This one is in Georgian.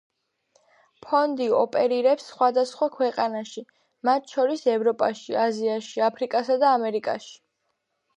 ფონდი ოპერირებს სხვადასხვა ქვეყანაში, მათ შორის ევროპაში, აზიაში, აფრიკასა და ამერიკაში.